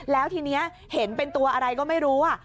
แล้วทีนี้เห็นเป็นตัวอะไรก็ไม่รู้